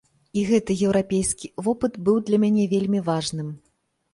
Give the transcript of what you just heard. І гэты еўрапейскі вопыт быў для мяне вельмі важным.